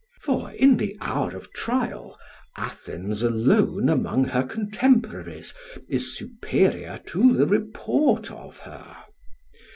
For in the hour of trial Athens alone among her contemporaries is superior to the report of her.